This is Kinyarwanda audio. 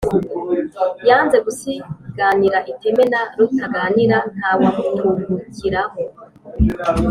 yanze gusiganira iteme na rutaganira, ntawamuturukiraho